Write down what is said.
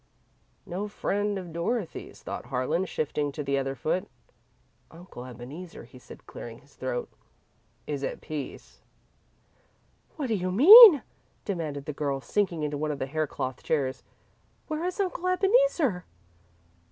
"No friend of Dorothy's," thought Harlan, shifting to the other foot. "Uncle Ebeneezer," he said, clearing his throat, "is at peace." "What do you mean?" demanded the girl, sinking into one of the haircloth chairs. "Where is Uncle Ebeneezer?"